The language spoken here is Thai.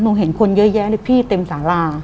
เห็นคนเยอะแยะเลยพี่เต็มสารา